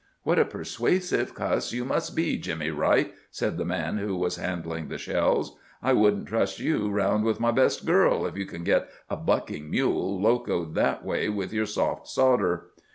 "What a persuasive cuss you must be, Jimmy Wright!" said the man who was handling the shells. "I wouldn't trust you round with my best girl, if you can get a bucking mule locoed that way with your soft sawder."